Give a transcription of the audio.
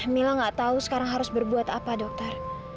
mila gak tahu sekarang harus berbuat apa dokter